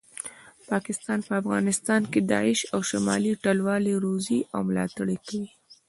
پاکستان په افغانستان کې داعش او شمالي ټلوالي روزي او ملاټړ یې کوي